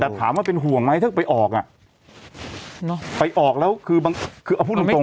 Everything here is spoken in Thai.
แต่ถามว่าเป็นห่วงไหมถ้าไปออกอ่ะเนอะไปออกแล้วคือบางคือเอาพูดตรงตรง